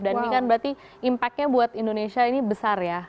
dan ini kan berarti impact nya buat indonesia ini besar ya